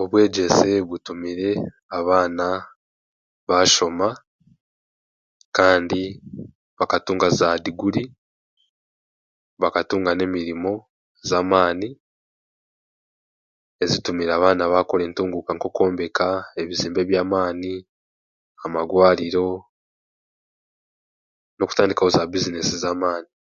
Obwegyese butumire abaana baashoma kandi bakatunga za diguri kandi bakatunga n'emirimo z'amaani ezitumire abaana baakora entunguuka nk'okwombeka ebizimbe by'amaani amagwariro n'okutandikaho zaabuzineesi z'amaani